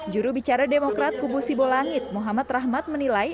juru bicara demokrat kubu sibolangit muhammad rahmat menilai